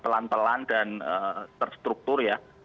pelan pelan dan terstruktur ya